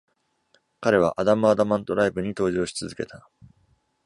彼はアダムアダマントライブに登場し続けた！